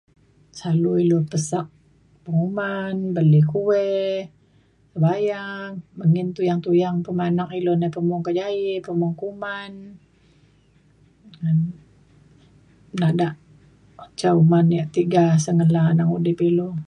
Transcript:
Selalu ilu pesak penguman beli kuih sebayang menggin tuyang tuyang pemanak ilu nai pemung kejaie pemung kuman ngan da da ca uban ia’ tiga sengela neng udio ilu.